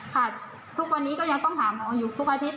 ค่ะทุกวันนี้ก็ยังต้องหาหมออยู่ทุกอาทิตย